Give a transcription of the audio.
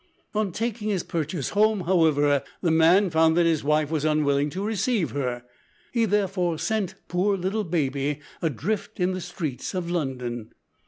On taking his purchase home, however, the man found that his wife was unwilling to receive her; he therefore sent poor little baby adrift in the streets of London!"